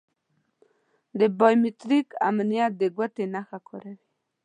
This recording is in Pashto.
د بایو میتریک امنیت د ګوتې نښه کاروي.